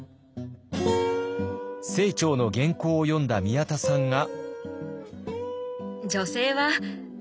清張の原稿を読んだ宮田さんが。